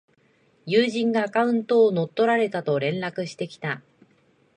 友人がアカウントを乗っ取られたと連絡してきた